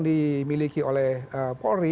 dimiliki oleh polri